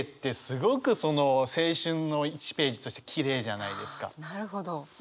なるほど。